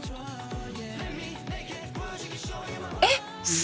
えっ！